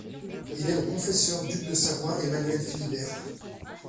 Il est le confesseur duc de Savoie Emmanuel-Philibert.